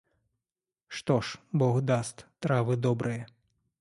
Что ж, Бог даст, травы добрые.